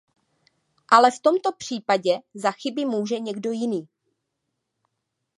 Ale v tomto případě za chyby může někdo jiný.